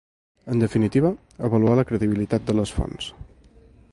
En definitiva, avaluar la credibilitat de les fonts.